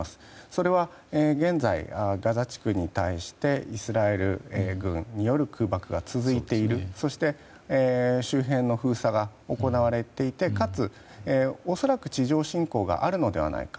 それは現在、ガザ地区に対してイスラエル軍による空爆が続いているそして周辺の封鎖が行われていてかつ、恐らく地上侵攻があるのではないか。